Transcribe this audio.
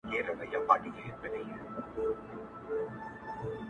په دې فکر کي خورا په زړه افګار یو!.